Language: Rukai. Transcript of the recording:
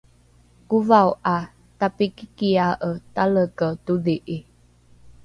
kovao ’a tapikikiae taleke todhi’i